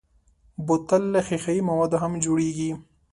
بوتل له ښیښهيي موادو هم جوړېږي.